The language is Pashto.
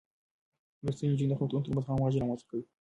لوستې نجونې د خدمتونو ترمنځ همغږي رامنځته کوي.